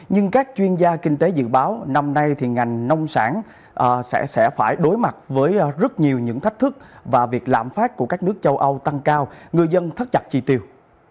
nhưng các chuyên gia kinh tế dự báo năm nay thì ngành nông sản sẽ phải đối mặt với rất nhiều những thách thức và việc lạm phát của các nước châu âu tăng cao người dân thắt chặt chi tiêu